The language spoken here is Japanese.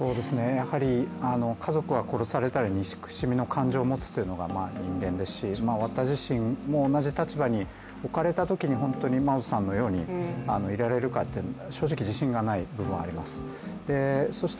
やはり、家族が殺されたら憎しみの感情を持つというのが人間ですし私自身、同じ立場に置かれたときに本当にマオズさんのようにいられるか、正直、自信がない部分があります。